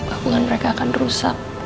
hubungan mereka akan rusak